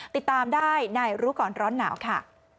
ติดตามได้ในรู้ก่อนร้อนหนาวค่ะ